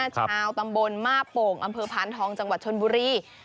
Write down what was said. ชาวตำบลมาบโป่งอำเภอพานทองจังหวัดชนบุรี